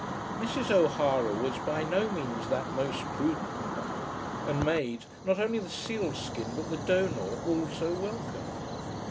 Mrs. O'Hara was by no means that most prudent mamma, and made, not only the seal skin, but the donor also welcome.